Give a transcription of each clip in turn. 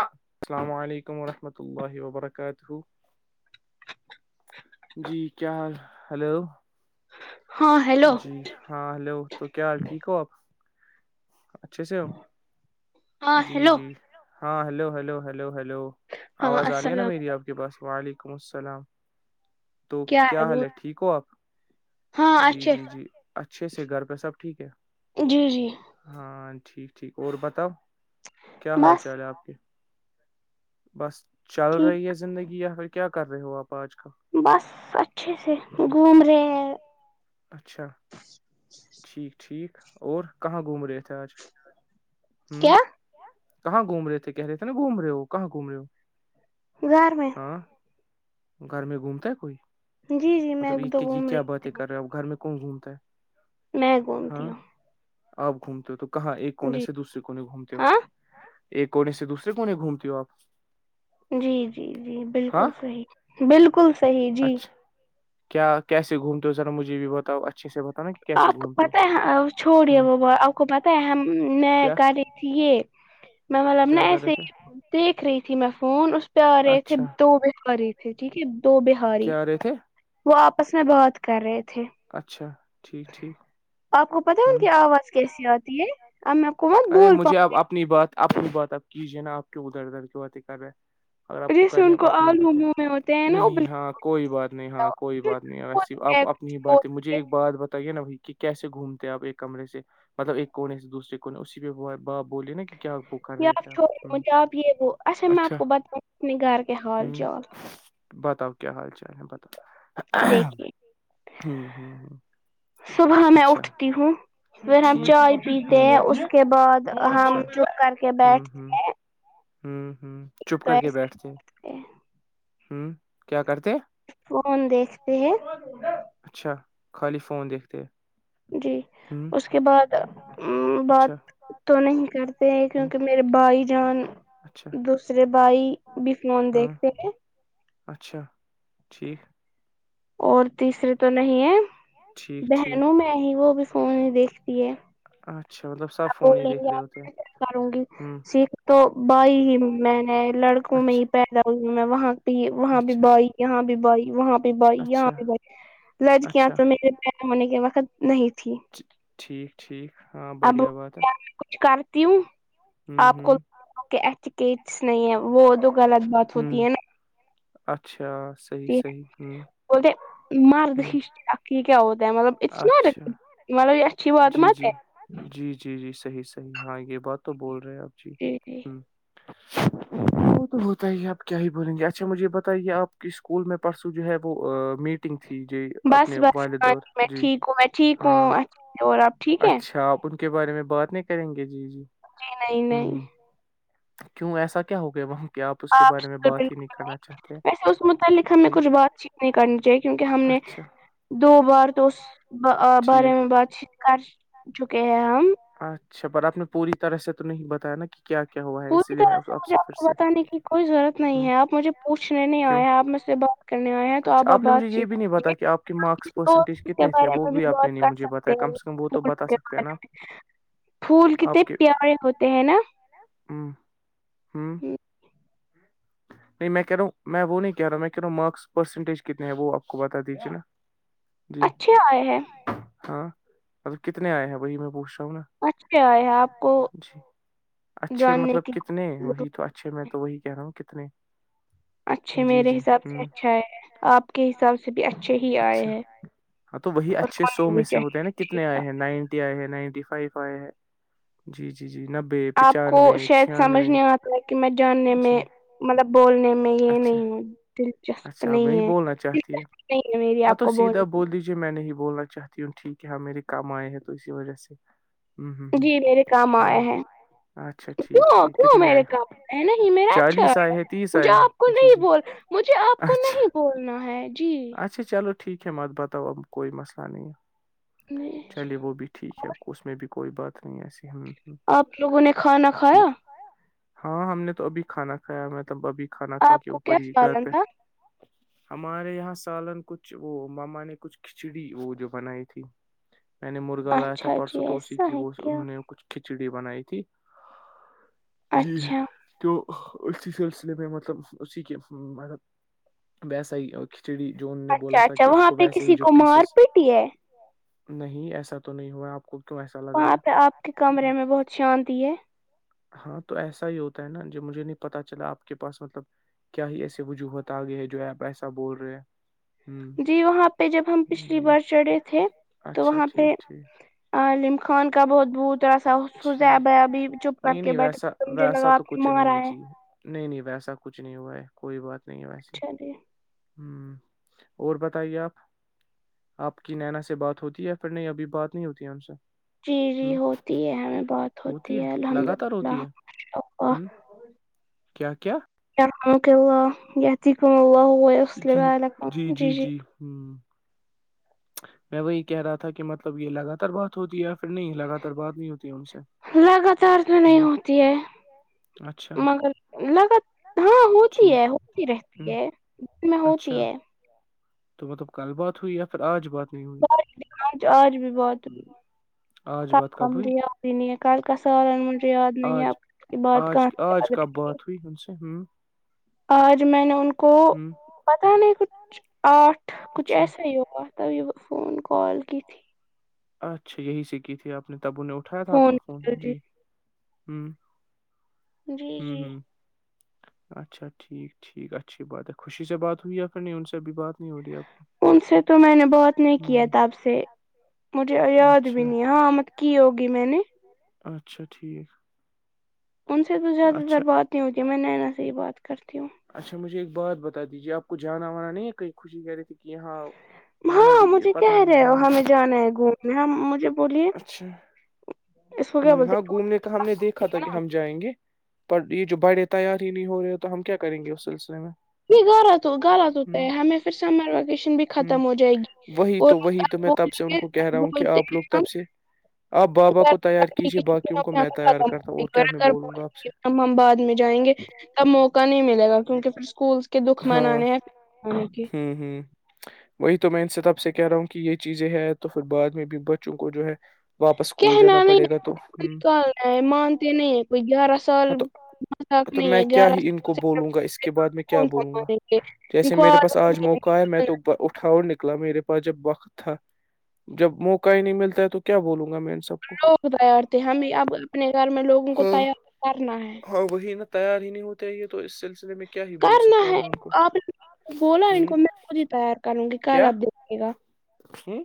السلام علیکم ورحمۃ اللہ وبرکاتہ جی کیا حال ہلو ہاں ہیلو جی ہاں ہیلو تو کیا حال ٹھیک ہو آپ اچھے سے ہو ہاں جی ہیلو جی ہاں ہلو ہلو ہلو ہلو ہاں آواز آنی ہے نا السلام میری آپ کے پاس وعلیکم السلام تو کیا حال ہے ٹھیک ہو آپ ہاں جی اچھے جی جی اچھے سے گھر پہ سب ٹھیک ہے جی جی ہاں ٹھیک ٹھیک اور بتاؤ کیا حال بس چال ہے آپ کے بس چل رہی ٹھیک ہے زندگی یا پھر کیا کر رہے ہو آپ آج کل بس اچھے سے جی گھوم رہے ہیں اچھا ٹھیک ٹھیک اور کہاں گھوم رہے تھے آج ہوں کیا کہاں گھوم رہے تھے کہہ رہے تھے نا گھوم رہے ہو کہاں گھوم رہے ہو گھر میں ہاں گھر میں گھومتا ہے کوئی جی جی میں مطلب تو ایک جی گھوم کیا بات رہی ہے کرے اب گھر میں کون گھومتا ہے نہیں ہاں آپ گھومتے ہو تو کہاں ایک ہوں کونے جی سے دوسرے کونے گھومتے ہو ہاں ایک کونے سے دوسرے کونے گھومتی ہو آپ جی جی جی ہاں بالکل صحیح بالکل صحیح جی اچھا کیا کیسے گھومتے ہو ذا مجھے یہ بھی بتاؤ اچھے سے بتاؤ آپ کو پت ہے چھوڑیے وہ آپ کو پت ہے ہم ن کیا کری ت یہ میں مطلب نا کیا کر رہے ایسے تھے دیکھ رہی تھی میں فون اس پیارے ا تھے اچھا دو بہارے تھے ٹھیک ہے دو بار سی کیا رہے تھے وہ آپس میں بہات کر رہے تھے [unintelligible] اچھا ٹھیک ٹھیک آپ کو پتا ہ ہے ان کی آواز کیسی آتی ہے اب کو مت ارے بول مجھے پاؤں اپ اپنی بات اپنی بات اب کیجیے نا آپ کیوں ادھر ادھر کی بات کر رہے اگر آپ کو جیسے کہنے ان اپنی آلو باتیں منہ میں ہوتے ہیں نا ابل نہیں ہاں کوئی بات نہیں ہاں کوئی بات نہیں ویسے آپ اپنی بات مجھے ایک بات بتائیے نا بھائی کہ کیسے گھومتے ہیں آپ ایک کمرے سے مطلب ایک کونے سے دوسرے [unintelligible] اسی پہ با بوولے نا کہ کیا بک [unintelligible] آپ یہ وہ اچھا مقبت اپ گھر کے ہ حال چال بتاؤ کیا حال چال ہے بتاؤ ہ دیکھیے ہ ہ [unintelligible] صبح میں اچھا اٹھتی ہوں پھر ہم ٹھیک چائے ہ پیتے ہیں کے بعد ہم چپ کر کے بیٹھ ہوں ہوں چھپ تو کر کے بیٹھتے ایسے ہوں کیا کرتے فون دیکھتے ہیں اچھا خالی فون دیکھتے ہیں جی ہوں اس کے بعد بات تو نہیں کرتے ہیں ہ کیونکہ میرے بھائی جان اچھا دوسرے بھائی بھی فون ہاں دیکھتے ہیں اچھا ٹھیک اور تیسری تو نہیں ہے ٹھیک ٹھیک بہنوں میں ہی وہ بھی فون ہی دیکھتی ہے اچھا [inaudible] اچھاطلب [inaudible] آ کوولیں گے آپوں گی ہوں سیکھ [inaudible] تو بھائی ہی میں نے لڑکوں میں اچھا ہی پیدا ہوئی ہوں میں وہاں بھی وہاں بھی اچھا بائی یہاں بھی بائی وہاں بھی بائی اچھا یہاں بھی بائی لجک اچھا تو مے [unintelligible] ہونے کے وقت نہیں تھی [unintelligible] ٹھیک ٹھیک ہاں اب بڑیا باتا میں کچھ کرتی ہوں آپ کو ہوں نہیں ہے وہ تو غلط بات ہوں ہوتی ہے نا [unintelligible] اچھا صحیح صحیح ہوں بولتے مرد ہوں کیا ہوتا ہے مب اچھا [unintelligible] ملب [unintelligible] جی جی جی جی جی صحیح صحیح ہاں یہ بات تو بول رہے ہیں آپ ج جی جی ہوں [inaudible] وہ تو ہوتا ہی آپ کیا ہی بولیں گے اچھا مجھے یہ بتائیے آپ کے اسکول میں پرسوں جو ہے وہ میٹ [inaudible] بس بس ہاں جی میں ٹھیک ہوں میں ٹھیک ہاں ہوں اچھے سے اور آپ ٹھیک ہے اچھا آپ ان کے بارے میں بات نہیں کریں گے جی جی نہیں نہیں کیوں ایسا کیا ہو گیا وہ [unintelligible] آپ اس کے بارے میں سے بات ہی بالکل نہیں کرنا چاہتے ویسے اس متعلق ہمیں جی کچھ بات چیت نہیں کرنی چاہیے کیونکہ ہم نے اچ اچھا دو بار تو اس بارے ٹھیک میں بات چیت کر چکے ہیں ہم اچھا پر آپ نے پوری طرح سے تو نہیں بتایا نا کہ کیا کیا ہوا ہے اسی پوری لیے میں طرح سے مجھے آپ پھر کو سے بتانے کی کوئی ضرورت نہیں ہوں ہے آپ مجھے پوچھنے نہیں کیوں آئے آپ مجھ سے کرنے آئے ہیں تو اچھا آپ نے مجھے بات یہ چیت بھی نہیں کیجیے بتا کہ آپ کے مارکس تو پرسنٹیج اس کے کتنے تھے بارے وہ میں بھی آپ بہت نے کر مجھے سکتے بتایا ہیں کم سے وہ تو پھولوں بتا کے سکتے ہیں بارے نا میں پھول کتنے پیارے ہوتے ہیں نا ہاں ہوں ہم، ہ نہیں میں کہہا ہ میں وہ نہیں کہہ رہا ہ میں کہ رہ ہ مارکس پرسنجٹ کتنے ہے وہ آپ کو بتا دیجے نا جی اچھے آئے ہیں ہاں مل کتنے آئے ہیں بی میں پوچھ رہا ہوں نا اچھے آئے ہیں آپ کو جی اچھے جاننے مطلب کی کتنے کوئی وہی ضرورت۔ تو اچ اچھے میں تو وہی کہہ رہا ہوں کتنے اچھے جی میرے جی حساب سے ہوں اچھا آئے ہے آپ کے حساب سے بھی اچھے ہی آئے اچھا ہیں ہاں تو وہی اور اچھے سو ہونے میں بھی سے ہوتے ہیں چاہیے نا اچھے کتنے ہی آئے ہیں نائن آئے ہے نائنٹی فائیو آئے ہے جی جی جی نبے پچانوے چھیانوے ح کہ میں جاننے جی میں مطلب بولنے میں یہ اچھا نہیں ہوں دلچسپ اچھا میں نہیں ہی ہے بولنا چاہتی دلچسپ نہیں ہے میری آپ کو بولنے جی میں نہیں ہی بولنا چاہتی ہوں ٹھیک ہے ہاں میرے کم آئے ہیں تو اسی وجہ سے ہ جی میرے کام آئے ہاں ہیں اچھا ٹھیک کیوں ٹھیک کیوں کتنے آئے میرے کام ہے نہیں میرا اچھا چالیس آئے ہیں تیس مجھے آئے آپ کو ہیں جی نہیں جی بول مجھے آپ کو اچھا نہیں بولنا ہے جی اچھا چلو ٹھیک ہے میںات بتاؤ اب کوئی مسئلہ نہیں ہے نہیں جی چلیے وہ بھی ٹھیک ہے اس میں بھی کوئی بات نہیں ایسی ہم آپ لوگوں نے کھانا کھایا ٹھیک ہاں ہم نے تو ابھی کھانا کھایا مطلب ابھی کھانا کھا آپ کے کو کیا اوپر ہی گھر سالن پہ تھا ہمارے یہاں سالن کچھ وہ ماما نے کچھ کھچڑی وہ جو بنائی تھی میں نے مرغا لایا تھا اچھا جی پرسوں تو اسی ایسا کی ہے وہ کیا انہوں نے کچھ کھچڑی بنائی تھی جی اچھا ت اس سلسلے میں مطلب اسی کے مب ویسا ہی کھچڑی جو ان نے بولا اچھا تھا اچھا کہ اس وہاں کو پہ ویسے ہی کسی جو کو مار پیسز پیٹی ہے نہیں ایسا تو نہیں ہوا آپ کو کیوں ایسا لگ وہاں رہا پہ آپ کے ہے کمرے میں بہت شانتی ہے ہاں تو ایسا ہی ہوتا ہے نا جو مجھے نہیں پتا چلا آپ کے پاس مطلب کیا ہی ایسے وجوہات گے جو ہے آپ ایسا بول رہے ہیں ہوں جی وہاں پہ جب ہم پچھلی جی بار چڑھے تھے تو اچھا وہاں ٹھیک ٹھیک پہمک کھان کا بہت بہوت را سا حس جی ب ابھی چپ کر نہیں کے نہیں بیٹھا ویسا تو مجھے ویسا لگا تو آپ کے کچھ مار نہیں ہے آئے جی نہیں نہیں ویسا کچھ نہیں ہوا ہے کوئی بات نہیں ویسی چلیے ہوں اور بتائیے آپ آپ کی نینا سے بات ہوتی ہے یا پھر نہیں ابھی بات نہیں ہوتی ہے ہم سے جی ہ جی ہوتی ہے ہمیں بات ہوتی ہے الحمد لگاتار للہ ہوتی ہے ہ اللہ کیا کیا کیا کام کیا ہوا یا ت کم ہوا ہوا ہے اس لیے ب جی جی ہوں میں وہی کہہ رہا تھا کہ مطلب یہ لگاتار بہت ہوتی ہے پھر نہیں لگاتار بات نہیں ہوتی ہے ان سے لگاتار تو نہیں ہ ہوتی ہے اچھا مگر لگ ہاں ہوتی ٹھیک ہے ہوتی ہ رہتی ہے دن میں اچھا ہوتی ہے تو مطلب کل بات ہوئی یا پھر آج بات نہیں ہوئی بھی آج آج بھی بہت آج کل بات کب کامج ہوئی ریاد ہی نہیں ہے کل کا سال ان مجھ یاد نہیں ہے اب کی بعات کہاں سے یاد رہی توو ہو سے ہوں آج میں نے ان کو ہ پتا نہیں کچھ آٹھ کچھ اچھا ایسا ہی ہو ب واتت یہ فون کال کتھی اچھا یہی سے کی تھی آپ نے تب انہیں اٹھایا تھا آپ کا فون جی ہوں جی ہوں جی ہوں اچھا ٹھیک ٹھیک اچھی بات ہے خوشی سے بات ہوئی یا پھر نہیں ان سے ابھی بات نہیں ہو رہی ہے آپ کی ان سے تو میں نے بہت نہیں ہ کیا تھا آپ سے مجھے یاد اچھا بھی نہیں ہاں مت کی ہوگی میں نے اچھا ٹھیک انن سے تو زیادہ تر اچھا بات نہیں ہوتی میں نینا سے ہی بات کرتی ہوں اچھا مجھے ایک بات بتا دیجیے آپ کو جانا وانا نہیں کہیں خوشی کہہ رہی تھی کہ یہاں نینا ہاں بھی مجھے پتا کہہ رہے ہو نہیں ہمیں جانا ہے گھومنا ہم مجھے بولیے اس کو ہ کیا بولتے ہاں گھومنے کا ہم نے دیکھا ہیں تھا کہ ہم جائیں گے پر یہ جو بڑے تیار ہی نہیں ہو رہے تو ہم کیا کریں گے اس سلسلے میں نہیں غلت غلط ہوتا ہ ہے ہمیں پھر سمر ویکیشن بھی ہ ختم ہو جائے گی وہی اور تو وہی میں تب بولیں سے ان گے کو کہہ رہا ہوں کہ بولتے آپ لوگ ہیں ہم تب سے آپ بابا کو تی یار ختم کیجیے بایوں کو میں تیار ہو کرتا ہوں اور کیا میں بولوں گا آپ سے اب ہم بعد میں جائیں گے تب موقع نہیں ملے گا کیونکہ پھر اسکول کے دکھ ہاں منانے ہیں کی ہوں ہوں وہی تو میں ان سطب سے کہہ رہا ہوں کہ یہ چیزیں ہے تو پھر بعد میں بھی بچوں کو جو ہے واپس اسکول جانا کہنا نہیں پڑے ہے گا کو تو ہ نکالنا ہے مانتے نہیں ہیں کوئی گیارہ سال ہاں تو مذاق تو نہیں میں ہے کیا گیارہ ہی ان سال کو بولوں گا اس سے کے بعد میں کیا کون سا بولوں گا مانیں گے ان جیسے کو میرے پاس عادت آج نہیں موقع ہے نکالنا میں تو ان کو اٹھاؤ نک نکلا میرے پاس جب وقت تھا جب موقع ہی نہیں ملتا ہے تو کیا بولوں گا میں ان سب کو لوگ تیار تھ ہم بھی اب اپنے گھر میں لوگوں کو ہاں تیار کرنا ہے ہاں وہی نا تیار ہی نہیں ہوتے یہ تو اس سلسلے میں کیا ہی بول کرنا سکتا ہوں ہے میں ان کو آپ نے بولا ہ ان کو میں خود ہی تیار کروں گی کل آپ دےھے گا ہی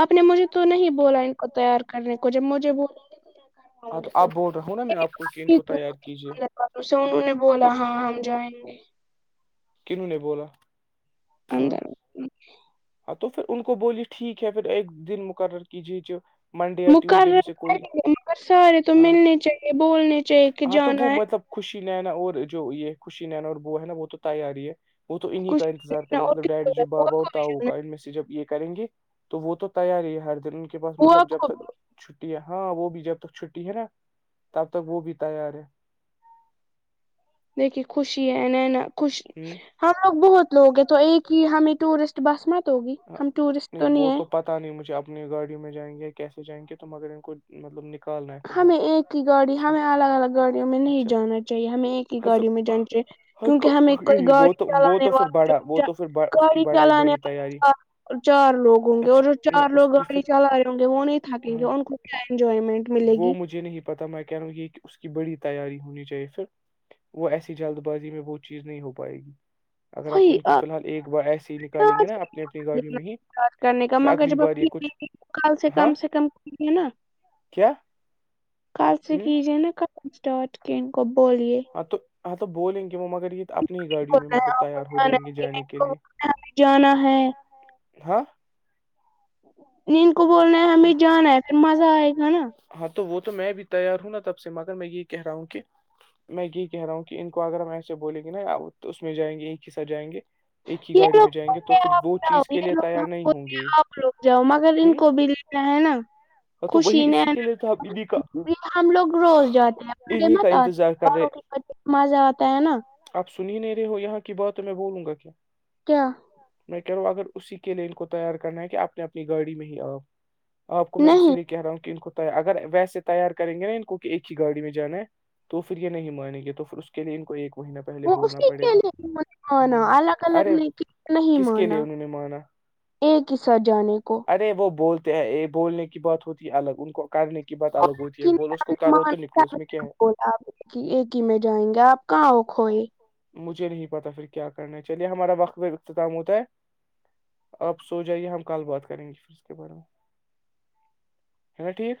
آپ نے مجھے تو نہیں بولا ان کو تیار کرنے کو جب مجھے ب ہاں تو آپ بول رہا ہوں نا میں آپ کو کی ان کو تیار کیجیے اور اس سے انہوں نے بولا ہاں ہم جائیں گے کنوں نے بولا ہاں اندر ہاں تو پھر ان کو بولی ٹھیک ہے پھر ایک دن مقرر کیجیے جو منڈے یا ٹیوزڈے میں مقرر سے کوئی مگر سارے تو ہاں ملنے چاہیے بولنے چاہیے کہ ہاں تو وہ جانا ہے مطلب خوشی نینا اور جو یہ خوشی نینا اور بو ہے نا وہ تو تیار ہی ہے وہ تو انہ ہی کا کچھ انتظار لینا کریں اور مطب کس کو ڈی ہے؟ جی بوا بابا اور کو تا بھی جانا ہوگا ہے ان میں سے جب یہ کریں گے تو وہ تو تیار ہی ہے ہر دن ان کے پاس بوا مطلب جب کو بھی تک چھٹی ہے ہاں وہ بھی جب تک چھٹی ہے نا تب تک وہ بھی تیار ہے دیکے خوشی ہے ن ن خوشی ہ ہم لوگ بہت لوگ ہیں تو ایک ہی ہمیں ٹورسٹ بس میں ہاں نہیں وہ تو پتا نہیں مجھے اپنی گاڑیوں میں جائیں گے یا کیسے جائیں گے تو مگر ان کو مطلب نکال رہے ہیں ہمیں ایک ہی گاڑی ہمیں الگ الگ گاڑیوں میں نہیں اچھا جانا چاہیے ہمیں ایک ہاں تو گاڑی میں جان ہاں کیونکہ کو ہمیں کوئی یہی وہ گاڑی تو وہ چلانے تو پھر بڑا وہ وال تو پھر بڑا- اس کی گاڑی بڑائی چلانے بڑی وال تیاری چار لوگ ہوں گے اور اچھا جو نہیں چار اس لوگ کی گاڑی پھر چلا رہے ہوں گے وہ نہیں تھکیں گے ہاں ان کو کیا انجوائمنٹ ملے وہ گی مجھے نہیں پتا میں کہہ رہا ہوں یہ اس کی بڑی تیاری ہونی چاہیے پھر وہ ایسی جلد بازی میں وہ چیز نہیں ہو پائے گی اگر آپ وہی ان کو فی الحال ایک بار ایس ہی نکالیں گے نا اپنے کرنے کا مگر جب اپ یہ کچھ ک سے ہاں کم سے کم کرے نا کیا کل سے ہ کیجیے نا کٹٹ کے ان کو بولیے ہاں تو ہاں تو بولیں گے وہ مگر یہ اپنی گاڑیوں میں بولنا مطلب ہے آپ کو تیار ہو جانا جائیں گے ہے کہ جانے نہیں، ان کے کو لیے بولنا ہے ہمیں جانا ہے ہاں نیند کو بولنا ہے کیا ہمیں جانا ہے پھر مزہ آئے گا نا ہاں تو وہ تو میں بھی تیار ہوں نا تب سے مگر میں یہ کہہ رہا ہوں کہ میں یہ کہ رہا ہوں کہ ان کو اگر ہم ایسے بولیں گے نا آپ اس میں جائیں گے ایک ہی ساتھ جائیں گے ایک ہی یہ گاڑی لوگ میں جائیں گے تو بولتے پھر ہیں آپ وہ جاؤ چیز کے لیے یہ لوگ تیار ہم نہیں ہوں بولتے گے ہ کیا ہے نا [unintelligible] اور تو وہی اسی کے لیے تو ابی یہ ہم لوگ روز جاتے ہیں بڑے انہیں کا مت آتے انتظار ہے کر رہے بڑوں مزہ آتا ہے نا [unintelligible] آپ سن ہی نہیں رہے ہو یہاں کی بات میں بولوں گا کیا کیا میں کہہ رہا ہوں اگر اسی کے لین کو تیار کرنا ہے کہ آپ نے اپنی گاڑی میں ہی آؤ آپ کو میں نہیں اسی لیے کہہ رہا ہوں کہ ان کو تی اگر ویسے تیار کریں گے نا ان کو کہ ایک ہی گاڑی میں جانا ہے تو پھر یہ نہیں مانیں گے تو پھر اس کے لیے ان کو ایک مہینہ پہلے وہ بولنا اسی پڑے کےے گا مانا ہ الگ الگ ارے کے نہیں کس کے مانا لیے انہوں نے مانا ایک ح سہ جانے کو ارے وہ بولتے بولنے کی بات ہوتی الگ ان کو کرنے کی بات آپ الگ ہوتی ہے بولو اس کو کرو تو نکلو اس میں کیا ہے ایک ہی میں جائیں گے آپ [unintelligible] کاؤ کوئی مجھے نہیں پتا پھر کیا کرنا ہے چلیے ہمارا وقت ب اختتام ہوتا ہے آپ سو جائیے ہم کل بات کریں گے پھر اس کے بارے میں ہے نا ٹھیک